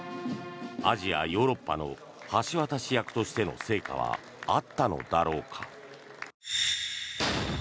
アジア・ヨーロッパの橋渡し役としての成果はあったのだろうか。